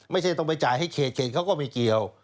ไม่ใช่ต้องไปจ่ายให้เขตเขาก็ไม่เกี่ยว